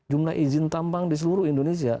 jumlah izin tambang di seluruh indonesia